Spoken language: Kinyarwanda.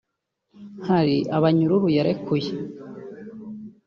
hari abanyururu yarekuye